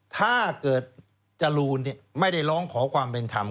ถ้าเกิดจรูนไม่ได้ร้องขอความเป็นธรรม